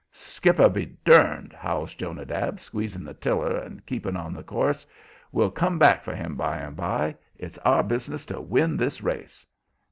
"Skipper be durned!" howls Jonadab, squeezing the tiller and keeping on the course; "We'll come back for him by and by. It's our business to win this race."